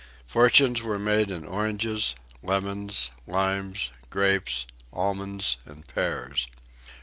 Fortunes were made in oranges, lemons, limes, grapes, almonds and pears.